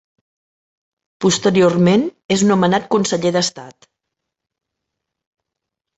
Posteriorment és nomenat conseller d'Estat.